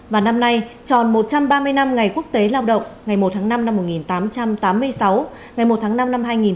và năm nay tròn một trăm ba mươi năm ngày quốc tế lao động ngày một tháng năm năm một nghìn tám trăm tám mươi sáu ngày một tháng năm năm hai nghìn một mươi chín